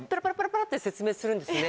って説明するんですね。